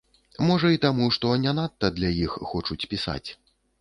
Можа і таму, што не надта для іх хочуць пісаць.